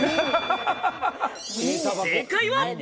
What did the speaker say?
正解は。